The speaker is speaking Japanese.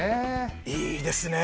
いいですね。